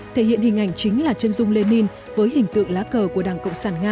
thể hiện hình ảnh chính là chân dung lenin với hình tượng lá cờ của đảng cộng sản nga